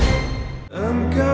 ketemu di kantor